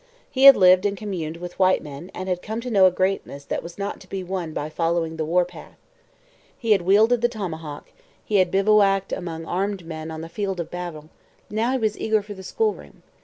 He had lived and communed with white men and had come to know a greatness that was not to be won by following the war path. He had wielded the tomahawk; he had bivouacked among armed men on the field of battle: now he was eager for the schoolroom.